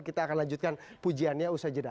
kita akan lanjutkan pujiannya usai jeda